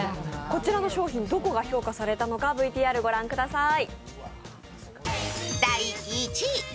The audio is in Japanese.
こちらの商品どこが評価されたのかＶＴＲご覧ください。